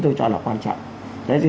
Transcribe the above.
tôi cho là quan trọng